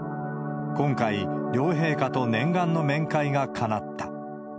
今回、両陛下と念願の面会がかなった。